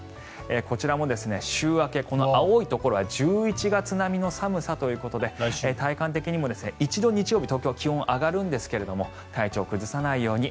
こちらも週明け、青いところは１１月並みの寒さということで体感的にも一度日曜日に東京は上がるんですが体調を崩さないように。